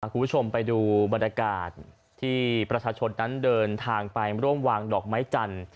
คุณผู้ชมไปดูบรรยากาศที่ประชาชนนั้นเดินทางไปร่วมวางดอกไม้จันทร์